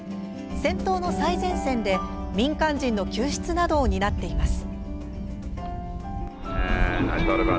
戦闘の最前線で民間人の救出などを担っています。